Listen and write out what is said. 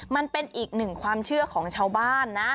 มันแต่อีก๑ความเชื่อของชาวบ้า